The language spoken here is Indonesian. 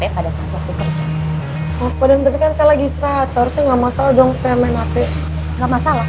gak masalah masalah dong